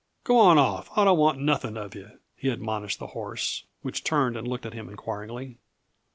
"Go on off I don't want nothing of yuh," he admonished the horse, which turned and looked at him inquiringly.